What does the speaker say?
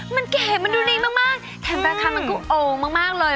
มันเก๋มันดูดีมากแถมราคามันก็โอ่งมากเลย